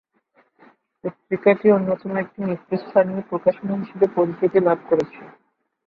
পত্রিকাটি অন্যতম একটি নেতৃস্থানীয় প্রকাশনা হিসেবে পরিচিতি লাভ করেছে।